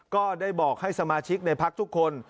ก็ได้บอกให้สมาชิกในพักทุกคน